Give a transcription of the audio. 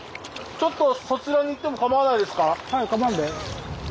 ちょっとそちらに行ってもかまわないですか？